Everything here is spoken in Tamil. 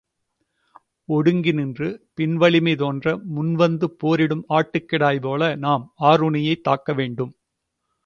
ஒடுங்கி நின்று, பின்வலிமை தோன்ற முன் வந்து போரிடும் ஆட்டுக்கிடாய்போல நாம் ஆருணியைத் தாக்கவேண்டும்.